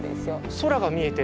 空が見えてる。